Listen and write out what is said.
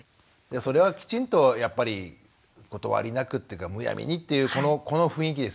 それはきちんとやっぱり断りなくっていうかむやみにっていうこの雰囲気ですよね。